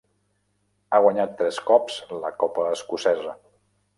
Ha guanyat tres cops la copa escocesa.